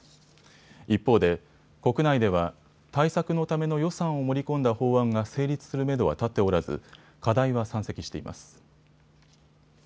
一方で国内では対策のための予算を盛り込んだ法案が成立するめどは立っておらず課題は山積しています。